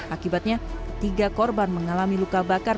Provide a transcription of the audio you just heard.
akibatnya tiga korban mengalami luka bakar